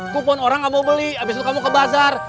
kupon orang gak mau beli abis itu kamu ke bazar